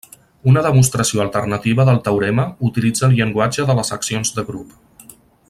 Una demostració alternativa del teorema utilitza el llenguatge de les accions de grup.